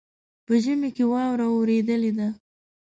په ژمي کې واوره اوریدلې ده.